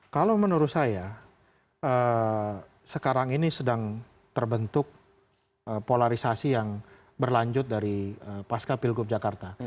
kalau menurut saya sekarang ini sedang terbentuk polarisasi yang berlanjut dari pasca pilgub jakarta